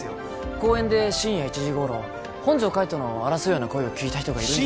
公園で深夜１時頃本条海斗の争うような声を聞いた人がいるんです